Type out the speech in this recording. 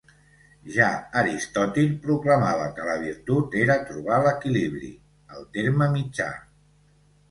Ja Aristòtil proclamava que la virtut era trobar l'equilibri, el terme mitjà.